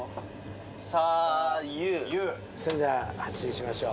それでは発進しましょう。